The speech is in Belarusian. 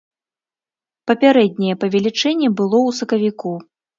Папярэдняе павелічэнне было ў сакавіку.